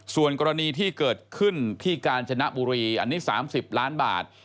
ส่วนกรณีที่เกิดขึ้นที่กาญจนบุรีอันนี้๓๐ล้านบาท